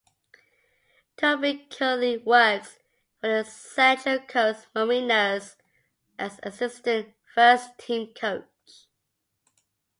Tobin currently works for the Central Coast Mariners as assistant first team coach.